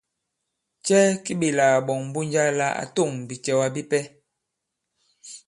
Cɛ ki ɓèlà kàɓɔ̀ŋ Mbunja la à tôŋ bìcɛ̀wa bipɛ?